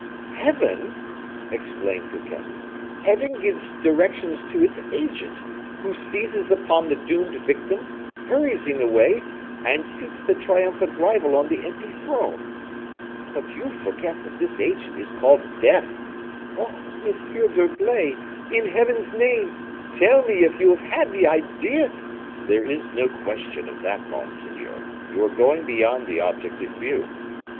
"Heaven!" exclaimed Fouquet "Heaven gives directions to its agent, who seizes upon the doomed victim, hurries him away, and seats the triumphant rival on the empty throne. But you forget that this agent is called death. Oh! Monsieur d'Herblay, in Heaven's name, tell me if you have had the idea " "There is no question of that, monseigneur; you are going beyond the object in view.